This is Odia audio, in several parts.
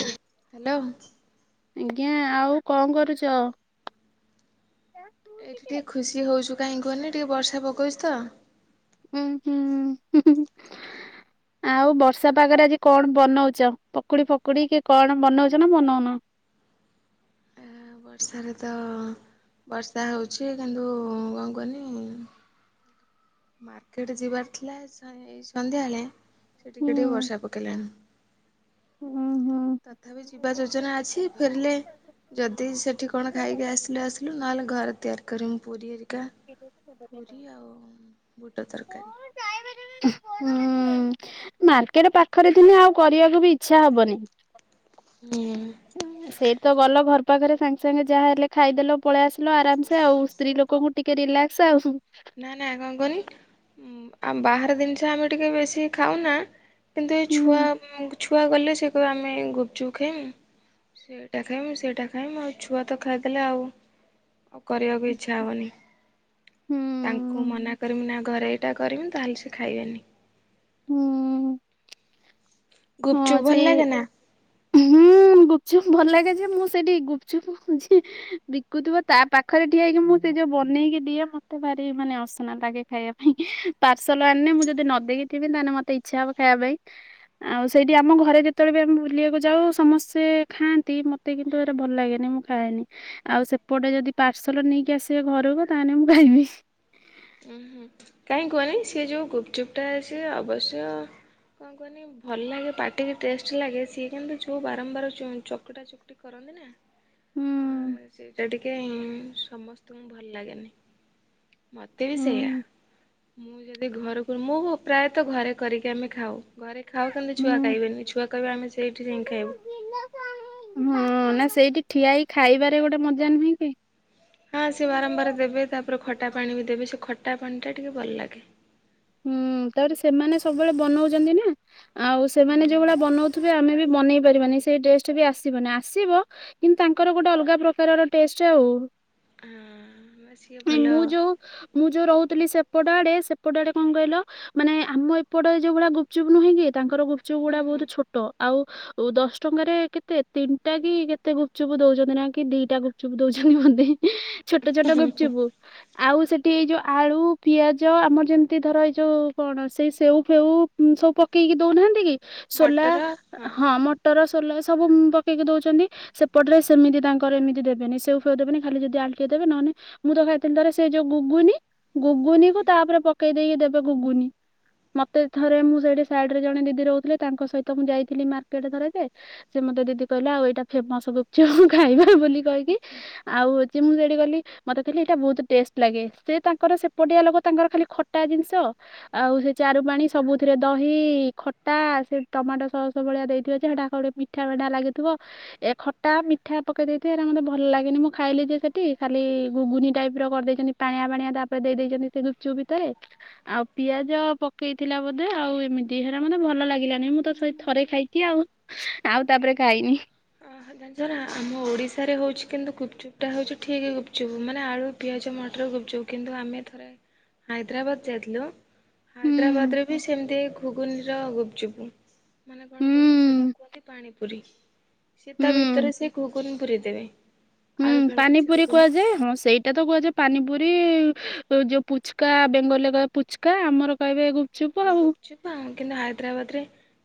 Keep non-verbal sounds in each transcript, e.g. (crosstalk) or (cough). ହ୍ୟାଲୋ। ଆଜ୍ଞା ଆଉ କଣ କରୁଛ? ଏଇଠି ଟିକେ ଖୁସି ହଉଚୁ କାହିକି କହିଲେ ଟିକେ ବର୍ଷା ପକଉଛି ତ। ଉହୁଁ, ହୁଁ ହୁଁ ହୁଁ। ଆଉ ବର୍ଷା ପାଗରେ ଆଜି କଣ ବନଉଛ ପକୁଡ଼ି ଫକୁଡ଼ି କି କଣ ବନଉଛ ନା ବନଉନ? ବର୍ଷାରେ ତ ବର୍ଷା ହେଉଛି କିନ୍ତୁ କଣ କୁହନି ମାର୍କେଟ ଯିବାର ଥିଲା ସା ଏଇ ସନ୍ଧ୍ୟାବେଳେ ସେ ଟିକେ ହୁଁ ଟିକେ ବର୍ଷା ପକେଇଲାଣି। ଉଁ ହୁଁ। ତଥାପି ଯିବା ଯୋଜନା ଅଛି ଫେରିଲେ ଯଦି ସେଠି କଣ ଖାଇକି ଆସିଲୁ ଆସିଲୁ ନହେଲେ ଘରେ ତିଆରି କରମୁ ପୁରୀ ହେରିକା। ପୁରି ଆଉ ବୁଟ ତରକାରୀ। ହୁଁ ମାର୍କେଟ ପାଖରେ ଥିନେ ଆଉ କରିବାକୁ ବି ଇଚ୍ଛା ହବନି। ହୁଁ। ସେଇ ତ ଗଲ ଘର ପାଖରେ ସାଙ୍ଗେ ସାଙ୍ଗେ ଯାହା ହେଲେ ଖାଇଦେଲ। ପଳେଇ ଆସିଲ ଆରାମସେ ଆଉ ସ୍ତ୍ରୀ ଲୋକଙ୍କୁ ଟିକେ ରିଲାକ୍ସ ଆଉ। ନା ନା କଣ କହୁନି ଆ ବାହାର ଜିନିଷ ଆମେ ଟିକେ ବେଶୀ ଖାଉନା। କିନ୍ତୁ ଏ ଛୁଆ ଛୁଆ ଗଲେ ସେ ଆମେ ଗୁପଚୁପ ଖାଇମୁ। ସେଇଟା ଖାଇମି ସେଇଟା ଖାଇମି ଆଉ ଛୁଆ ତ ଖାଇଦେଲେ ଆଉ। ଆଉ କରିବାକୁ ଇଚ୍ଛା ହବନି। ହୁଁ। ତାଙ୍କୁ ମନା କରମି ନା ଘରେ ଏଇଟା କରିବିନି ତାହେଲେ ସେ ଖାଇବେନି। ହୁଁ ହଁ ଗୁପଚୁପ୍ ଭଲ ସେଇ ଲାଗେ ନା ହୁଁ ଗୁପଚୁପ୍ ଭଲ ଲାଗେ ଯେ ମୁଁ ସେଠି ଗୁପଚୁପ୍ ଯି ବିକୁଥିବ ତା ପାଖରେ ଠିଆ ହେଇକି ମୁଁ ସେ ଯୋଉ ବନେଇକି ଦିଏ ମତେ ଭାରି ମାନେ ଅସନା ଲାଗେ। ଖାଇବା ପାଇଁ ପାର୍ସଲ ଆଣିଲେ ମୁଁ ଯଦି ନଦେଖିଥିବି ତାହେଲେ ମତେ ଇଚ୍ଛା ହବ ଖାଇବା ପାଇଁ। ଆଉ ସେଇଠି ଆମ ଘରେ ଯେତେବେଳେ ବି ଆମେ ବୁଲିବାକୁ ଯାଉ ସମସ୍ତେ ଖାଆନ୍ତି ମୋତେ କିନ୍ତୁ ଏରା ଭଲ ଲାଗେନି ମୁଁ ଖାଏନି ଆଉ ସେପଟେ ଯଦି ପାର୍ସଲ ନେଇକି ଆସିବେ ଘରକୁ ତାହେଲେ ମୁଁ ଖାଇବି। ଉଁ ହୁଁ କାହିଁ କୁହନି ସେ ଯୋଉ ଗୁପଚୁପ୍ ଟା ସେ ଅବଶ୍ୟ କଣ କୁହନି ଭଲ ଲାଗେ ପାଟିକି ଟେଷ୍ଟ ଲାଗେ ସିଏ କିନ୍ତୁ ଯୋଉ ବାରମ୍ବାର ଚକଟା ଚକଟି କରନ୍ତି ନା ଆ ହୁଁ ସେଇଟା ଟିକେ ସମସ୍ତଙ୍କୁ ଭଲ ଲାଗେନି। ମୋତେ ବି ହୁଁ ସେଇୟା ମୁଁ ଯଦି ଘରକୁ ମୁଁ ପ୍ରାୟତଃ ଘରେ କରିକି ଆମେ ଖାଉ। ଘରେ ଖାଉ କେନ୍ତ ଛୁଆ ହୁଁ। ଖାଇବେନି ଛୁଆ କହିବ ଆମେ ସେଇଠି ହିଁ ଖାଇବ। ହଁ ନା ସେଇଠି ଠିଆ ହେ ଖାଇବାରେ ଗୋଟେ ମଜା ନୁହେଁ କି? ହଁ ସେ ବାରମ୍ବାର ଦେବେ। ତାପରେ ଖଟା ପାଣି ବି ଦେବେ ସେ ଖଟା ପାଣି ଟା ଟିକେ ଭଲ ଲାଗେ। ହୁଁ ତାପରେ ସେମାନେ ସବୁବେଳେ ବନଉଛନ୍ତି ନା ଆଉ ସେମାନେ ହୁଁ ଯୋଉଭଳିଆ ବନଉ ତଥ ଆମେ ବି ବନେଇ ପାରିବାନି, ସେଇ ଟଡେଷ୍ଟ ବି ଆସିବନି ଆସିବ। କିନ୍ତୁ ତାଙ୍କର ଗୋଟେ ଅଲଗା ପ୍ରକାରର ଟେଷ୍ଟ ଆଉ। ହଁ ସିଏ ଭଲ ମୁଁ ଯୋଉ ମୁଁ ଯୋଉ ରହୁଥିଲି ସେପଟା ଆଡେ ସେପଟା ଆଡେ କଣ କହିଲ ମାନେ ଆମ ଏପଟେ ଯୋଉ ଗୁଡା ଗୁପଚୁପ ନୁହେଁ କି ତାଙ୍କର ଗୁପଚୁପ ହୁଁ ଗୁଡା ହୁଁ ବହୁତ ଛୋଟ ଆଉ ଦଶ ଟଙ୍କାରେ କେତେ ତିନିଟା କି କେତେ ଗୁପଚୁପ୍ ଦଉଛନ୍ତି ନା କି ଦିଟା ଗୁପ ଚୁପ ଦଉଛନ୍ତି ମତେ। ଛୋଟ ଛୋଟ ଗୁପଚୁପୁ ଆଉ ସେଠି ଏଇ ଯୋଉ ଆଳୁ ପିଆଜ ଆମର ଯେ ଏତି ଧର ଏଇ ଯୋଉ କଣ ସେଇ ସେଉ ଫେଉ ସବୁ ପକେଇକି ଦଉନାହାନ୍ତି କି? ସୋଲା ହଁ ମଟର ସୋଲା ସବୁ ପକେଇକି ଦଉଛନ୍ତି। ସେପଟେ ସେମି ତାର ଏମିତି ଦେବେନି ସେଉ ଫେ ଦେବେି ଖାଲି ଯି ଆଲଟିଆ ଦେବେ ନହେଁ ମୁଁ ତ ଖାଇଥିଲି ଧଥର ସେଇ ଯୋଉ ଗୁଗୁନି ଗୁଗୁନିକୁ ତାପରେ ପକେଇ ଦେଇକି ଦେବେ ଗୁଗୁନି। ମତେ ଥରେ ମୁଁ ସେଇଠି ସାଇଡ ରେ ଜଣେ ଦିଦି ରହୁଥିଲେ ତାଙ୍କ ସହିତ ମୁଁ ଯାଇଥିଲି ମାର୍କେଟ ଥରେ ଯେ ସେ ମତେ ଦିଦି କହିଲା ଆଉ ଏଇଟା ଫେମସ ଗଛ ଖାଇବା ବୋଲି କହିକି ଆଉ ଅଉଛି ମୁଁ ସେଠି ଗଲି, ମତେ କିଲି ଏଇଟା ବହୁତ ଟେଷ୍ଟ ଲାଗେ ସେ ତାଙ୍କର ସେପଟଆ ଲୋକ ତାଙ୍କର ଖାଲି ଖ କଟା ଜିନିଷ। ଆଉ ସେ ଚାରୁ ପାଣି ସବୁଥିରେ ଦହି ଖଟା ସେ ଟମାଟୋ ସସ ଭଳିଆ ଦେଇଥିବ ସେଟା ଗୋଟେ ମିଠା। (unintelligible) ଏ ଖଟା ମିଠା ପକେଇ ଦେଇଥ ହେ ମତେ ଭଲ ଲାଗେନି ମୁଁ ଖାଇଲି ଯେ ସେଠି ଖାଲି ଗୁଗୁନି ଟାଇପ ର କରିଦେଇଛନ୍ତି। ପାଣିଆ ପାଣିଆ ତାପରେ ଦେଇେଇଛନ୍ତି ସେ ଲୁପଚୁପ ଭିତରେ ଆଉ ପିଆଜ ପକେଇଥିଲା ବୋଧେ ଆଉ ଏମିତି ହେଟ ମୋତେ ଭଲ ଲାଗିଲାନି ମୁଁ ତ ସେ ଥରେ ଖାଇଛି ଆଉ ଆଉ ତାପରେ ଖାଇନି। ଅ ଜ ଆମ ଓଡିଶାରେ ହଉଛି କିନ୍ତୁ ଗୁପଚୁପ୍ ଟା ହଉଛି ଠିକ ଗୁପଚୁପ୍ ମାନେ ଆଳୁ ପିଆଜ ମଟର ଗୁପଜୁ। କିନ୍ତୁ ଆମେ ଥରେ ହାଇଦ୍ରାବାଦ ଯାଇଥିଲୁ ହୁଁ ହାଇଦ୍ରାବାଦରେ ବି ସେମିତି ଘୁଗୁନିର ଗୁପଚୁପୁ। ମାନେ କଣ କୁହନି ସେଟା ହୁଁ କୁହନ୍ତି ପାଣିପୁରୀ। ସେ ତା ହୁଁ ଭିତରେ ସେ ଘୁଗୁନି ପୁରେଇ ଦେବେ। ହୁଁ ଆଳୁ ଫାଳୁ କିଛି ପାନିପୁରୀ ଦେବେନି କୁହାଯାଏ। ହଁ ସେଇ ଏଇଟା ତ କୁହାଯା ପାନିପୁରୀ, ଯେଉଁ ପୁଚକା ବେଙ୍ଗଲରେ କହିବା ପୁଚକା। ଆମର କହିବେ ଗୁପଚୁପ ଆଉ (inaudible) ହଁ କିନ୍ତୁ ହାଇଦ୍ରାବାଦ ରେ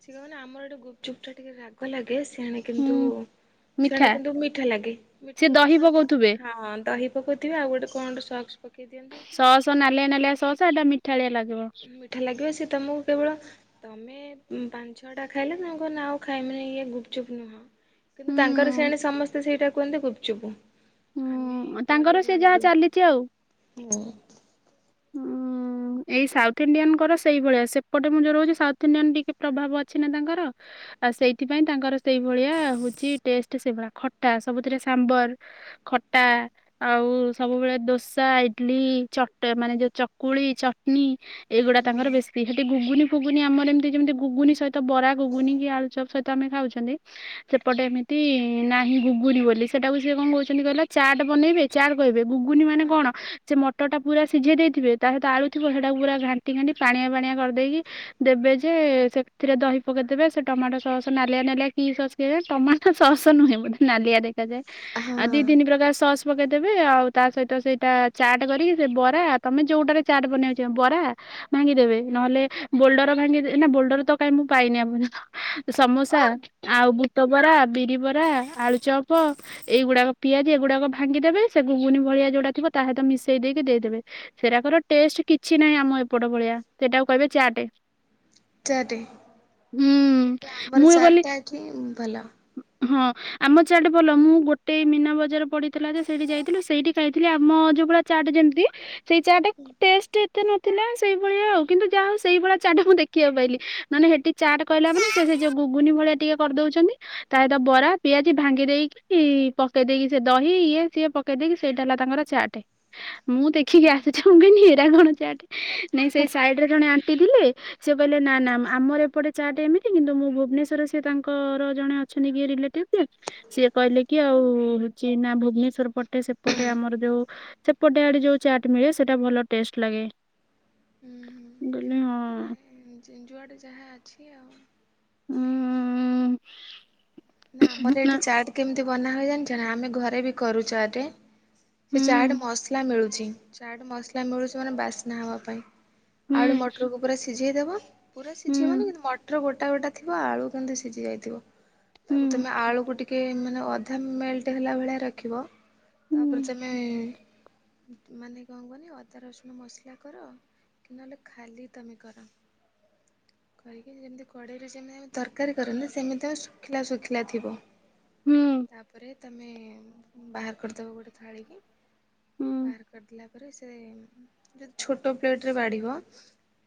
ସେଏ ମାନେ ଆମର ଏଠି ଗୁପଚୁପ୍ ଟା ଟିକେ ରାଗ ଲାଗେ। (unintelligible) ହୁଁ କିନ୍ତୁ ମିଠା ସେଣେ କିନ୍ତୁ ମିଠା ଲାଗେ, ସେ ମିଠା ଲାଗେ ଦହି କଣ ପାଇଁ? ପକଉଥିବେ ହଁ ଦହି ପକଉଥିବେ ଆଉ ଗୋଟେ କଣ ଗୋଟେ ସକ୍ସ ପକେଇ ଦିଅନ୍ତି। ସସ୍ ନାଲିଆ ନାଲିଆ ସସ୍ ଏଟା ମିଠାଳିଆ ଲାଗିବ। ମିଠା ଲାଗିବ ସେ ତମକୁ କେବଳ ତମେ ପାଞ୍ଚ ଛଅ ଟା ଖାଇଲେ, ତାଙ୍କ ନା ଆଉ ଖାଇ ମ ଇଏ ଗୁପଚୁପ୍ ନୁହଁ। କିନ୍ତୁ ହୁଁ ତାଙ୍କର ସେଣେ ସମସ୍ତେ ସେଇଟା କୁହନ୍ତି ଗୁପଚୁପୁ। ହୁଁ ତାଙ୍କର ସେ ଯାହା ଚାଲିଛି ଆଉ। (inaudible) (unintelligible) ହୁଁ ଏଇ ସାଉଥ ଇଣ୍ଡିଆନଙ୍କର ସେଇଭଳିଆ ସେପଟେ ମୁଁ ଜୋଉରହଉଛି ସାଉଥ ଇଣ୍ଡିଆନ୍ ଟିକେ ପ୍ରଭାବ ଅଛି ନା ତାଙ୍କର। ଆଉ ସେଇଥିପାଇଁ ତାଙ୍କର ସେଇଭଳିଆ ହଉଛି ଟେଷ୍ଟ ସେଇଭଳିଆ ଖଟା ସବୁଥିରେ ସାମ୍ବର ଖଟା ଆଉ ସବୁବେଳେ ଦୋସା ଇଡଲି ଚଟ ମାନେ ଯୋଉ ଚକୁଳି ଚଟନୀ ଏଇଗୁଡା ହୁଁ ତାଙ୍କର ବେଶୀ। ସେଠି ଗୁଗୁନି ଫୁଗୁନି ଆମର ଏମିତି ଯେମିତି ଗୁଗୁନ ସହିତ ବରା ଗୁଗୁନି କି ଆଳୁ ଚପ ସହିତ ଆମେ ଖାଉଛନ୍ତି ସେପଟେ ଏମିତି ନାହିଁ ଗୁଗୁନ ବୋଲି ସେଟାକୁ ସିଏ କଣ କହୁଛନ୍ତି କହିଲା ଚାଟ ବନେଇବେ ଚାର କହିବେ ଗୁଗୁନି ମାନେ କଣ ସେ ମଟରଟା ପୁରା ସିଝେଇ ଦେଇଥିବ ତା ସହିତ ଆଳୁ ଥିବ ସେଇଟା ପୁରା ଘାଣ୍ଟି ଘାଣ୍ଟି ପାଣିଆ ପାଣିଆ କରିଦେଇକି ଦେବେ ଯେ ସେଥିରେ ଦହି ପକେଇଦବେ ସେ ଟମାଟୋ ସସ୍ ନାଲିଆ ନାଲିଆ କି ସସ୍ ସେ ଟମାଟୋ ସସ୍ ନୁହେଁ ବୋଧେ ନାଲିଆ ଦେଖାଯାଏ ଆଉ ହଁ ଦି ତିନି ପ୍ରକାର ସସ୍ ପକେଇଦେବେ ଆଉ ତା ସହିତ ସେଇଟା ଚାଟ୍ କରିକି ବରା ତମେ ଯୋଉଟାରେ ଚାଟ ବନେଇଛ ବରା ଭାଙ୍ଗିଦେବେ ନହେଲେ ବୋଲଡର ଭାଙ୍ଗି ନା ବୋଲଡର ତ କାହିଁ ମୁଁ ପାଇନି ଆ ସମୋସା ଆଉ ବୁଟ ବରା ବିରି ବରା ଆଳୁ ଚପ। ଏଇଗୁଡାକ ପିଆଜି ଏଇଗୁଡାକ ଭାଙ୍ଗିଦବେ ସେୁଗୁନି ଭଳିଆ ଯୋଉଟା ଥିବ ତାସହିଁତ ମିଶେଇ ଦେଇକି ଦେଇଦ ସେଟାକର ଟେଷ୍ଟ କିଛି ନାହିଁ ଆମ ଏପଟ ଭଳିଆ ସେଟାକୁ କହିବେ ଚାଟ। ଚାଟ କେତେ ଆମ୍ବର ମୁଁ କହିଲି ଚାରଟା ଅଛି ଭଲ। ହଁ। ଆମ ଚାଟ ଭଲ ମୁଁ ଗୋଟେ ମୀନା ବଜାର ପଡିଥିଲା ଯେ ସେଇଠି ଯାଇଥିଲୁ ସେଇଠି ଖାଇଥିଲି ଆମ ଯୋଉ ଭଳି ଚାଟ ଯେ ସେଇ ଚା ଟା ଏତେ ନଥିଲା ସେଇଭଳିଆ ଆଉ କିନ୍ତୁ ଯାହା ହଉ ସେଇ ଭଳିଆ ଚାଟ ମୁଁ ଦେଖିବାକୁ ପାଇଲି ମାନେ ହେଠିକ। ଚାଟ୍ କହିଲା ମାନ ସେ ଯଉ ଗୁଗୁନି ଭଳିଆ ଟିକେ କରିଦଉଛନ୍ତି ତା ସହିତ ବରା ପିଆଜ ଭାଙ୍ଗି ଦେଇକି ହଁ ପକେଇ ଦେଇେଇକି ସେ ଦହି ଇଏ ସିଏ ପକେଇ ଦେଇେଇକି ସେଇଟା ହେଲା ତାଙ୍କର ଚାଟ। (unintelligible) ମୁଁ ଦେଖିକି ଆସିଛି ମୁଁ କି ହରାଗଣଚ ନାଇଁ ସେଇ ସାଇଡ ରେ ଜଣେ ଆଣ୍ଟି ଥିଲେ। ସେ କହିଲେ ନା ନା ଆମର ଏପଟେ ଚାଟେ ଏମିତି କିନ୍ତୁ ମୁଁ ଭୁବନେଶ୍ୱରରେ ସେ ତାଙ୍କର ଜଣେ ଅଛନ୍ତି କିଏ ରିଲେଟିଭ୍। ସିଏ କହିଲେ କି ଆଉ ହଉଛି ନା ଭୁବନେଶ୍ଵର ପଟେ ସେପଟେ ଆମର ଯୋଉ ଟେ ଆଡେ ଯୋଉ ଚାଟ ମିଳେ ସେଟା ଭଲ ଟେଷ୍ଟ ଲାଗେଇ ହଁ। ଯେଜୁଆଡ଼େ ଯାହା ଅଛି ଆଉ। ହୁଁ। ନା ଆମର ଏଠି ଚାଟ କେମିତି ବନା ହୁଏ ଜାଣିଛ ଆମେ ଘରେ ବି କରୁ ଚାଟ। ସେ ଚାଟ ହୁଁ ମସଲା ମିଳୁଛି ଚାଟ ମସଲା ମିଳୁଛି ମାନେ ବାସ୍ନା ହବା ପାଇଁ। ଆଳୁ ମଟରକୁ ପୁରା ସିଝେଇଦବ ପୁରା ହୁଁ ସିଝେଇବନି କିନ୍ତୁ ମଟର ଗୋଟା ଗୋଟା। ଥିବ ଆଳୁ କିନ୍ତୁ ସିଝି ଯାଇଥିବ। ହୁଁ ତାକୁ ତମେ ଆଳୁକୁ ଟିକେ ମାନେ ଅଧା ମେଲ୍ଟ ହେଲା ଭଳିଆ ରଖିବ। ହୁଁ ତାପରେ ତମେ ମାନେ କଣ କହନି ଅଦା ରସୁଣ ମସଲା କର। କି ନହେଲେ ଖାଲି ତମେ କର। କରିକି ଯେମିତି କଡ଼େଇରେ ଯେମିତିତି ତରକାରୀ କରନ୍ତି ସେମିତି। ଶୁଖିଲା ଶୁଖିଲା ଥିବ ହୁଁ ତାପରେ ତମେ ବାହାର କରିଦେବ ଗୋଟେ ଥାଳିକି ହୁଁ ବାହାର କରିଦେଲା। ତା ସେ ଯଦି ଛୋଟ ପ୍ଳେଟରେ ବାଢିବ।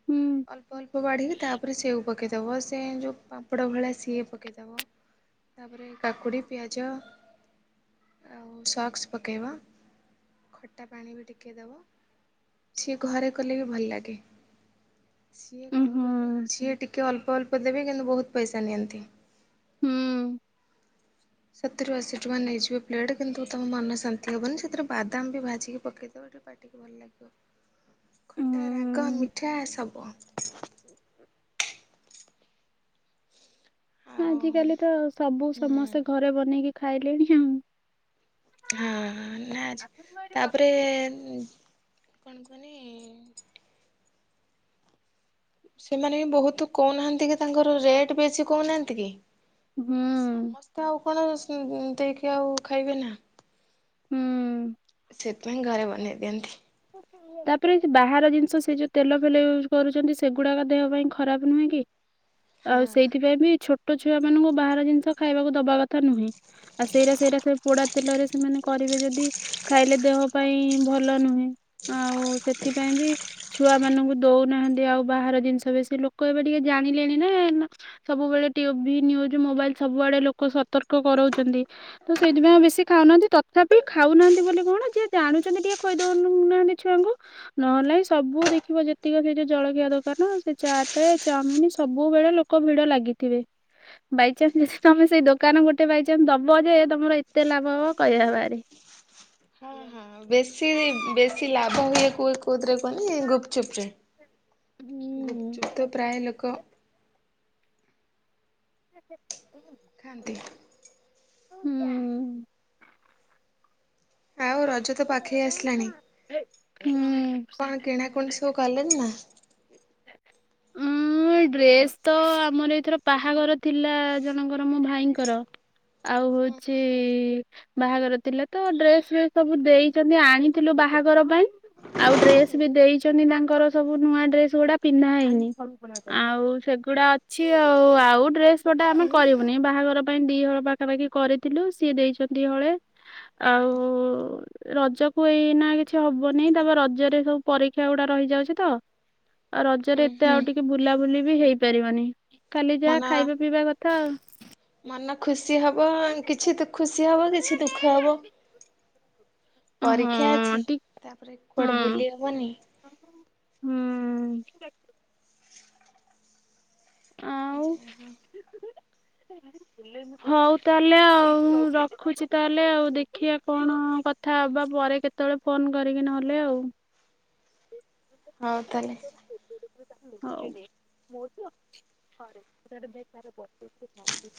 ହୁଁ ଅଳ୍ପ ଅଳ୍ପ ବାଢିକି ତାପରେ ସେଉ ପକାଇଦେବ ସେ ଯେଉଁ ପାମ୍ପଡ଼ ଭଳି ସିଏ ପକାଇଦେବ। ତାପରେ କାକୁଡ଼ି ପିଆଜ। ଆଉ ସକ୍ସ ପକେଇବା ଖଟା ପାଣି ବି ଟିକଏ ଦେବା। ସିଏ ଘରେ କଲେ ବି ଭଲ ଲାଗେ। ସିଏ ହୁଁ କଣ କୁହନ ସିଏ ଟିକଏ ଅଳ୍ପ ଅଳ୍ପ ଦେବେ କିନ୍ତୁ ବହୁତ ପଇସା ନିଅନ୍ତି। ହୁଁ ସତରୁ ଅଶୀ ଟଙ୍କା ନେଇଯିବେ ପ୍ଲେଟ୍ କିନ୍ତୁ ତମ ମନ ଶାନ୍ତି ହବନି ସେଥିରେ ବାଦାମ ବି ଭାଜିକି ପକେଇଦବ ଟିକେ। ଟିକେ ଭଲ ଲାଗିବ ହୁଁ ଖଟା ରାଗ ହୁଁ ମିଠା ସବୁ ଆଉ ଆଜିକାଲି ତ ସବୁ ହୁଁ ସମସ୍ତେ ଘରେ ବନେଇକି ଖାଇଲେଣି ଆଉ ହଁ ହଁ ଆଜି ତାପରେ କଣ କୁହନି? ସେମାନେ ବି ବହୁତ କହୁନାହାନ୍ତି କି ତାଙ୍କର ରେଟ୍ ବେଶୀ କହୁନାହାନ୍ତି କି? ହୁଁ ସମସ୍ତେ ଆଉ କଣ ଦେଇକି ଆଉ ଖାଇବେ ନା? ହୁଁ। ସେଥିପାଇଁ ଘରେ ବନେଇ ଦିଅନ୍ତି। ତାପରେ ବାହାର ଜିନିଷ ସେ ଯୋଉ ତେଲ ଫେଲ ୟୁଜ୍ କରୁଛନ୍ତି ସେଗୁଡାକ ଦେହ ପାଇଁ ଖରାପ ନୁହେଁ କି? ହଁ ଆଉ ସେଇଥିପାଇଁ ବି ଛୋଟଛୁଆ ମାନଙ୍କୁ ବାହାର ଜିନିଷ ଖାଇବାକୁ ଦବାକଥା ନୁହେଁ ଆଉ ସେଇଟା ସେଇଟା ସେ ପୋଡା ତେଲରେ ସେମାନେ କରିବେ ଯଦି ଖାଇଲେ ଦେହ ପାଇଁ ଭଲ ନୁହେଁ ଆଉ ସେଥିପାଇଁ ବି ଛୁଆମାନଙ୍କୁ ଦଉନାହାନ୍ତି ଆଉ ବାହାର ଜିନିଷ ବେଶୀ ଲୋକ ଏବେ ଟିକେ ଜାଣିଲେଣି ନା। ସବୁବେଳେ ଟିଭି ନ୍ୟୁଜ ମୋବାଇଲ ସବୁଆଡେ ଲୋକ ସତର୍କ କରାଉଛନ୍ତି। ତ ସେଇଥିପାଇଁ ଆଉ ବେଶୀ ଖାଉନାହାନ୍ତି ତଥାପି ଖାଉନାହାନ୍ତି ବୋଲି କଣ ଯିଏ ଜାଣୁଛନ୍ତି ଟିକେ ଖୋଇ ଦଉନି ନାଆନ୍ତି ଛୁଆଙ୍କୁ। ନହେଲେ ନାଇଁ ସବୁ ଦେଖିବ ଯେତିକି ସେ ଯୋଉ ଜଳଖିଆ ଦୋକାନ ସେ ଚାଟ ଚାଉମିନ ସବୁବେଳେ ଲୋ ଲୋକଭିଡ଼ ଲାଗିଥିବେ। ବାଇଚାନ୍ସ ଯିଏ ତମେ ସେଇ ଦୋକାନ ଗୋଟେ ବାଇଚାନ୍ସ ଦବ ଯେ ତମର ଏତେ ଲାଭ ହବ କହିବା ବାହାରେ। ହଁ ହଁ ବେଶୀ ବେଶୀ ଲାଭ ହୁଏ କୋଉ କୋଉଥିରେ କୁହନି ଗୁପଚୁପରେ। ହୁଁ। ଗୁପଚୁପ ତ ପ୍ରାୟ ଲୋକ ହୁଁ ହୁଁ ଖାଆନ୍ତି। ହୁଁ। ଆଉ ରଜ ତ ପାଖେଇ ଆସିଲାଣି କଣ ହୁଁ। କଣ କିଣା କୁଣି ସ ତୁ ଗଲେ ନା। ହଁ ଡ୍ରେସ ତ ଆମର ଏଇଥର ବାହାଘର ଥିଲା ଜଣଙ୍କର ମୋ ଭାଇଙ୍କର। ଆଉ ହଉଚି ବାହାଘର ଥିଲା ତ ଡ୍ରେସ ଫେସ୍ ସବୁ ଦେଇଛନ୍ତି ଆଣିଥିଲୁ ବାହାଘର ପାଇଁ ଆଉ ଡ୍ରେସ ବି ଦେଇଛନ୍ତି ତାଙ୍କର ସବୁ ନୂଆ ଡ୍ରେସ ଗୁଡା ପିନ୍ଧା ହେଇନି। ଆଉ ସେଗୁଡା ଅଛି ଆଉ ଆଉ ଡ୍ରେସପଟା ଆମେ କରିବୁନି ବାହାଘର ପାଇଁ ଦି ହଳ ପା ପାଖାପାଖି କରିଥିଲୁ ସିଏ ଦେଇଛନ୍ତି ହଳେ ଆଉ ରଜକୁ ଏଇନା କିଛି ହବନି ତାପରେ ରଜରେ ସବୁ ପରୀକ୍ଷା ଗୁଡା ରହିଯାଉଛି ତ ଆଉ ରଜରେ ହୁଁ ଏତେ ହୁଁ ଆଉ ଟିକେ ବୁଲାବୁଲି ବି ହେଇପାରିବନି ଖାଲି ମନ ଯାହା ଖାଇବା ପିଇବା କଥା। ମନ ଖୁସି ହବ କିଛି ଖୁସି ହବ କିଛି ଦୁଃଖ ହବ। ଆଉ ପରୀକ୍ଷା ଅଛି ହଁ ଟି ତାପରେ କୁଆଡେ ହଁ। ବୁଲି ହବନାହିଁ। ହୁଁ। ଆଉ ଯେ ହ। ହଉ ତାହେଲେ ଆଉ ରଖୁଛି ତାହେଲେ ଆଉ ଦେଖିବା କଣ କ କଥା ହବା ପରେ କେତେବେଳେ ଫୋନ କରିକି ନହେଲେ ଆଉ ହଉ ତାଲେ। ହଉ।